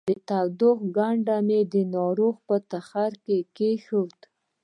تودوښ کنډه مې د ناروغ په تخرګ کې کېښوده